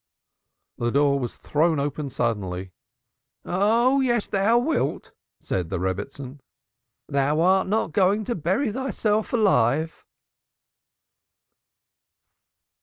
The door was thrown open suddenly. "Oh yes thou wilt," said the Rebbitzin. "Thou art not going to bury thyself alive."